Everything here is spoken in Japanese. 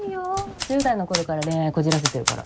十代の頃から恋愛こじらせてるから。